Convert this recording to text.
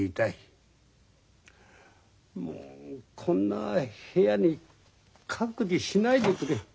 こんな部屋に隔離しないでくれ。